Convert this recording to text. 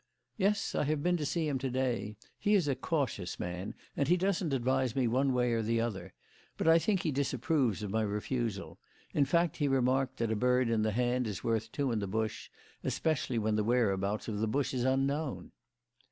"Yes, I have been to see him to day. He is a cautious man, and he doesn't advise me one way or the other. But I think he disapproves of my refusal; in fact, he remarked that a bird in the hand is worth two in the bush, especially when the whereabouts of the bush is unknown."